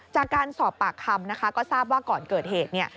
จากการสอบปากคำนะคะก็ทราบว่าก่อนเกิดเหตุเนี่ย